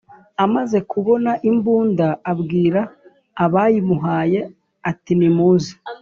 Amaze kubona imbunda abwira abayimuhaye atinimuze